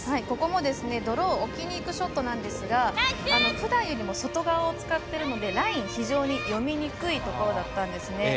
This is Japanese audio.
ここもドロー置きにいくショットなんですがふだんよりも外側を使っているのでライン、非常に読みにくいところだったんです。